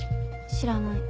知らない。